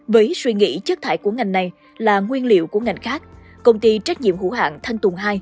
với suy nghĩ chất thải của ngành này là nguyên liệu của ngành khác công ty trách nhiệm hữu hạng thanh tùng hai